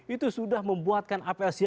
itu sudah membuatkan apel siaga di bilemasi